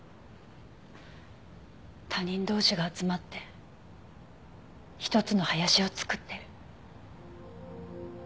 他人同士が集まって一つの林を作ってる。